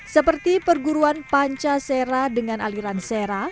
seperti perguruan panca sera dengan aliran sera